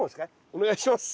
お願いします。